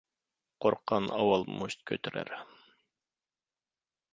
قورققان ئاۋۋال مۇشت كۆتۈرەر.